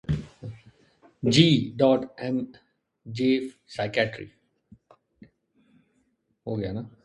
G. Am J Psychiatry.